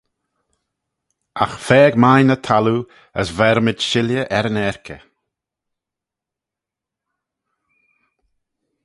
Agh faag main y thalloo, as vermayd shilley er yn 'aarkey.